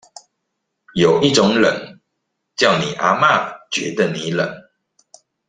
有一種冷，叫你阿嘛覺得你冷